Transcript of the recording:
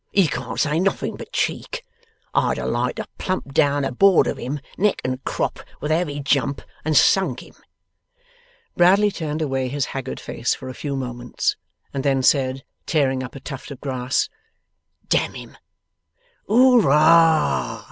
He can't say nothing but cheek. I'd ha' liked to plump down aboard of him, neck and crop, with a heavy jump, and sunk him.' Bradley turned away his haggard face for a few moments, and then said, tearing up a tuft of grass: 'Damn him!' 'Hooroar!